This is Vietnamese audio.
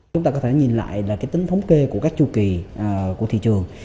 chúng ta có thể nhìn lại là cái tính thống kê của các chu kỳ của thị trường